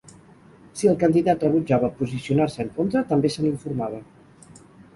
Si el candidat rebutjava posicionar-se en contra, també se n'informava.